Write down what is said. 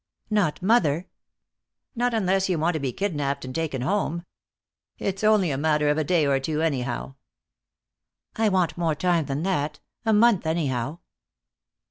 "Not mother?" "Not unless you want to be kidnaped and taken home. It's only a matter of a day or two, anyhow." "I want more time than that. A month, anyhow."